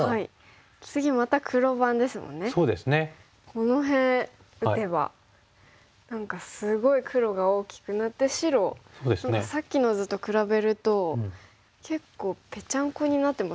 この辺打てば何かすごい黒が大きくなって白さっきの図と比べると結構ぺちゃんこになってますよね。